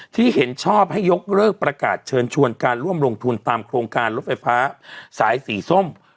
ที่เห็นชอบให้ยกเลิกประกาศเชิญชวนการร่วมลงทุนตามโครงการรถไฟฟ้าสายสีส้ม